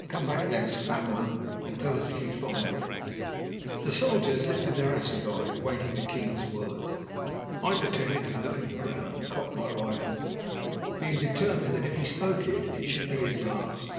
Come back thence, Fat One, and tell us if you find it." The soldiers lifted their assegais, waiting the king's word. I pretended to look at the ground, and cocked my rifle, being determined that if he spoke it, it should be his last.